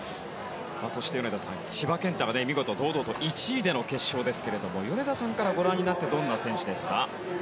そして米田さん、千葉健太が見事、堂々１位での決勝ですが米田さんからご覧になってどんな選手ですか？